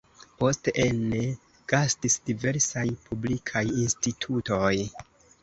Poste ene gastis diversaj publikaj institutoj.